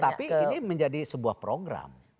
tapi ini menjadi sebuah program